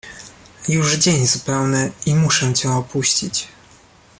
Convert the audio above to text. "już dzień zupełny, i muszę cię opuścić."